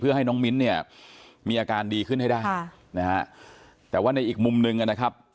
ให้น้องมิ้นเนี่ยมีอาการดีขึ้นให้ได้ค่ะนะฮะแต่ว่าในอีกมุมหนึ่งนะครับ